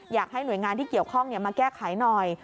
อยากให้หน่วยงานที่เกี่ยวข้องมาแก้ไขหน่อย